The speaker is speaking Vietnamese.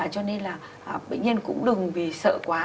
cho nên là bệnh nhân cũng đừng vì sợ quá